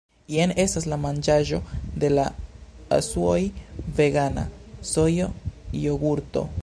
Jen estas la manĝaĵo de la asuoj vegana sojo-jogurto